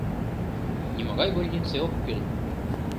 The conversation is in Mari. — Нимогай больнице ок кӱл.